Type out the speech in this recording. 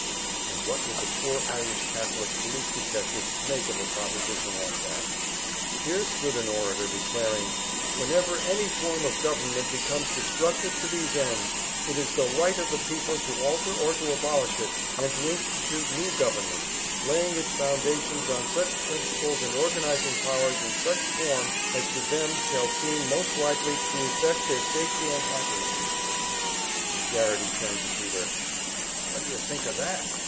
And what was a poor Irish Catholic police detective to make of a proposition like that? Here stood an orator declaring: "Whenever any form of government becomes destructive to these ends, it is the right of the people to alter or to abolish it, and to institute new government, laying its foundations on such principles and organizing its powers in such form, as to them shall seem most likely to effect their safety and happiness." And Garrity turned to Peter. "What do you think of that?"